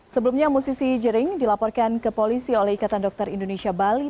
sebelumnya musisi jering dilaporkan ke polisi oleh ikatan dokter indonesia bali